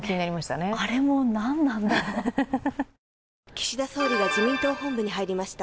岸田総理が自民党本部に入りました。